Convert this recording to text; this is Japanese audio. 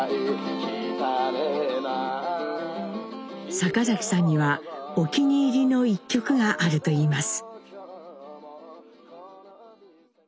坂崎さんにはお気に入りの一曲があるといいます。